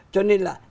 cho nên là